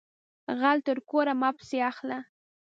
غل تر کوره مه پسی اخله